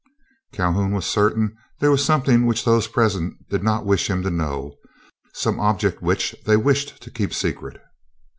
Calhoun was certain there was something which those present did not wish him to know—some object which they wished to keep secret.